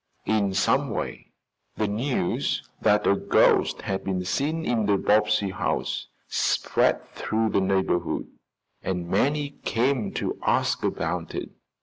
In some way the news that a ghost had been seen in the Bobbsey house spread throughout the neighborhood, and many came to ask about it.